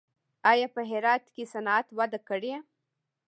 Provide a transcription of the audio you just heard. آیا په هرات کې صنعت وده کړې؟